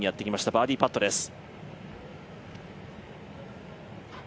バーディーパットです。